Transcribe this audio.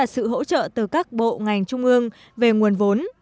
sự hỗ trợ từ các bộ ngành trung ương về nguồn vốn